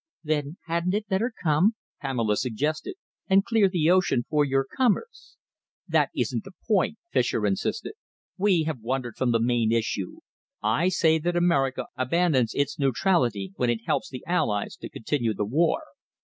"Then hadn't it better come," Pamela suggested, "and clear the ocean for your commerce?" "That isn't the point," Fischer insisted. "We have wandered from the main issue. I say that America abandons its neutrality when it helps the Allies to continue the war."